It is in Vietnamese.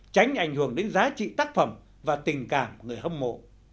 tránh ảnh hưởng đến giá trị tác phẩm và tình cảm người hâm mộ